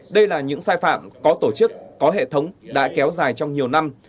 đây là những sai phạm có tổ chức có hệ thống đã kéo dài trong nhiều năm